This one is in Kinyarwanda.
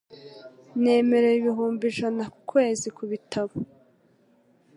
Nemerewe ibihumbi ijana ku kwezi kubitabo.